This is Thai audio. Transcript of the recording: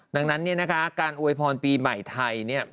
ดังนั้นการอวยพรปีใหม่ไทยนี่